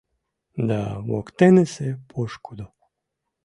Да воктенысе пошкудо